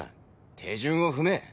手順を踏め！